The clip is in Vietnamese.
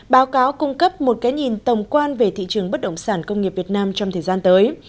báo cáo cung cấp một cái nhìn tổng quan về thị trường bất động sản công nghiệp việt nam trong thời gian tới